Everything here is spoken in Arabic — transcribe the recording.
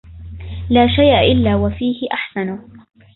لا شيء إلا وفيه أحسنه